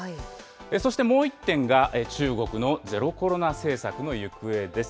そしてもう１点が中国のゼロコロナ政策の行方です。